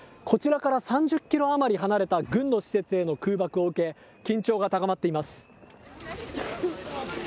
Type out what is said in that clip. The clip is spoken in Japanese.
こちらから３０キロ余り離れた軍の施設への空爆を受け、緊張が高まっています。